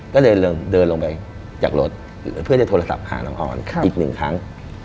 ก็เลยเดินลงไปจากรถเพื่อจะโทรศัพท์หาน้องออนอีกหนึ่งครั้ง